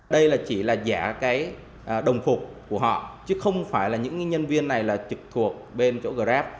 đây chỉ là giả đồng phục của họ chứ không phải là những nhân viên này trực thuộc bên chỗ grab